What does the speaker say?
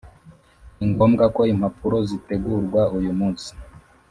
] ni ngombwa ko impapuro zitegurwa uyu munsi.